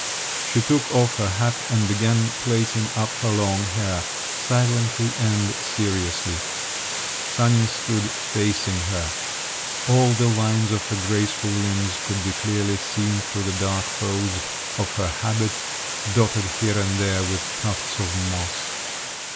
She took off her hat and began plaiting up her long hair, silently and seriously. Sanin stood facing her … All the lines of her graceful limbs could be clearly seen through the dark folds of her habit, dotted here and there with tufts of moss.